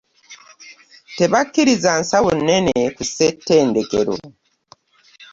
Teabkkiiza nsawo nenne ku ssettendekero